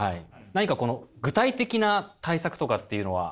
何かこの具体的な対策とかっていうのは？